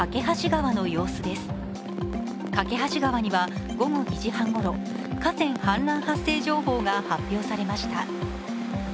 梯川橋には午後２時半ごろ、河川氾濫発生情報が発表されました。